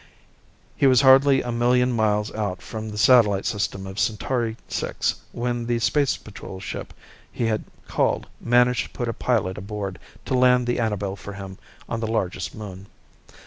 He was hardly a million miles out from the satellite system of Centauri VI when the Space Patrol ship he had called managed to put a pilot aboard to land the Annabel for him on the largest moon.